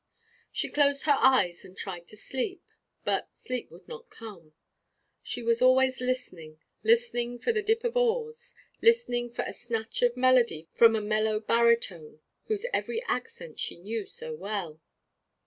She closed her eyes, and tried to sleep; but sleep would not come. She was always listening listening for the dip of oars, listening for a snatch of melody from a mellow baritone whose every accent she knew so well.